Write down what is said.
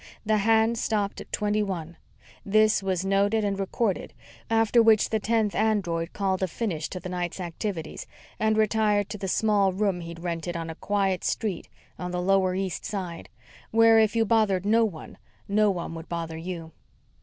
The hand stopped at 21. This was noted and recorded, after which the tenth android called a finish to the night's activities and retired to the small room he'd rented on a quiet street on the Lower East Side where, if you bothered no one, no one would bother you.